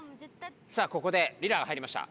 さあここでリラが入りました。